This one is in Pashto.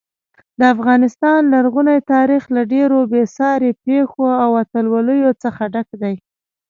د افغانستان لرغونی تاریخ له ډېرو بې ساري پیښو او اتلولیو څخه ډک دی.